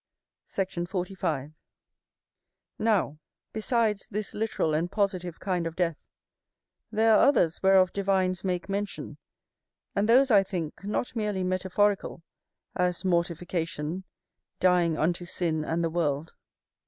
Sect. 45. Now, besides this literal and positive kind of death, there are others whereof divines make mention, and those, I think, not merely metaphorical, as mortification, dying unto sin and the world.